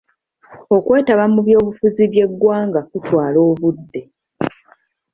Okwetaba mu by'obufuzi by'eggwanga kutwala obudde.